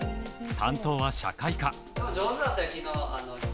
担当は社会科。